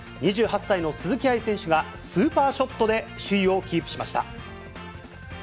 ２８歳の鈴木愛選手が、スーパーショットで首位をキープしました。